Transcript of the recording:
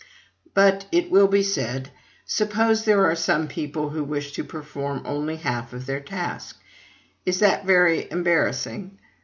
"But," it will be said, "suppose there are some people who wish to perform only half of their task?"... Is that very embarrassing?